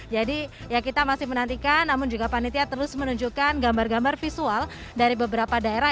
jadi ya kita masih menantikan namun juga panitia terus menunjukkan gambar gambar visual dari beberapa daerah